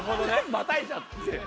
またいじゃって。